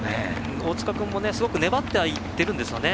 大塚君も、すごく粘ってはいってるんですよね。